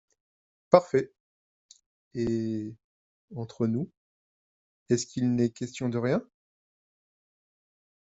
Parfait !…et… entre nous… est-ce qu’il n’est question de rien ?…